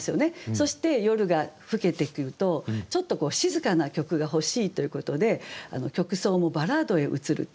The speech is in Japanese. そして夜が更けてくるとちょっと静かな曲が欲しいということで曲想もバラードへ移ると。